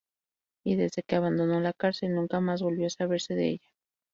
Y desde que abandonó la cárcel, nunca más volvió a saberse de ella.